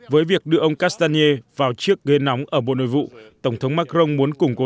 với việc đưa ông castanier vào chiếc ghê nóng ở bộ nội vụ tổng thống macron muốn củng cố